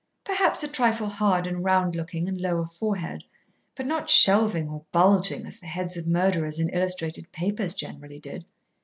Perhaps a trifle hard and round looking and low of forehead, but not shelving or bulging as the heads of murderers in illustrated papers generally did.